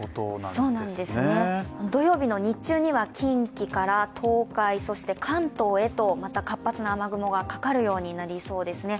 そうなんですね、土曜日の日中には近畿から東海、そして関東へとまた活発な雨雲がかかるようになりそうですね。